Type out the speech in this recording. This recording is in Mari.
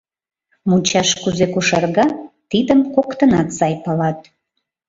Мучаш кузе кошарга — тидым коктынат сай палат.